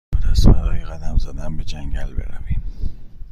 چطور است برای قدم زدن به جنگل برویم؟